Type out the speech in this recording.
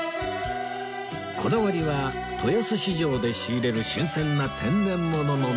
こだわりは豊洲市場で仕入れる新鮮な天然もののネタ